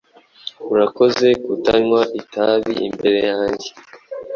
Urakoze kutanywa itabi imbere yanjye